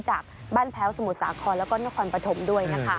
จากบ้านแพ้วสมุทรสาครแล้วก็นครปฐมด้วยนะคะ